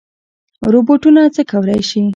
روبوټونه څه کولی شي؟